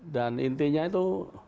dan intinya itu